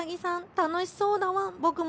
楽しそうだワン。